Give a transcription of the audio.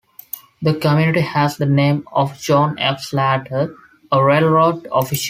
The community has the name of John F. Slater, a railroad official.